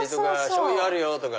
しょうゆあるよ！とか。